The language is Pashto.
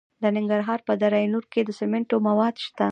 د ننګرهار په دره نور کې د سمنټو مواد شته.